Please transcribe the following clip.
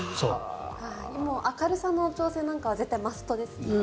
明るさの調整なんかはマストですね。